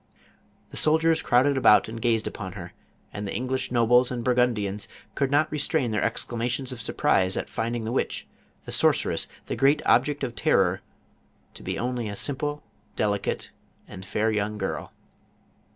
The soldiers crowded about and gazed upon her, and the English nobles and Burgundians could not restrain their exclamations of surprise at finding the witch, the sorceress, the great object of terror, to be only a simple, delicate and fair young girl.